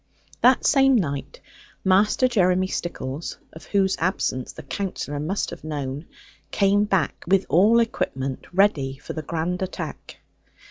That same night Master Jeremy Stickles (of whose absence the Counsellor must have known) came back, with all equipment ready for the grand attack.